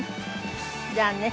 じゃあね。